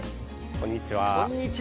こんにちは。